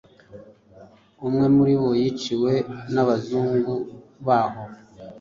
Umwe muribo yiciwe nabazungu baho